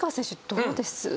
どうです？